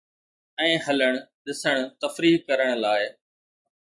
۽ هلڻ، ڏسڻ، تفريح ڪرڻ لاءِ